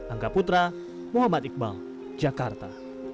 angga putra muhammad iqbal jakarta